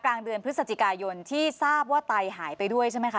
กลางเดือนพฤศจิกายนที่ทราบว่าไตหายไปด้วยใช่ไหมคะ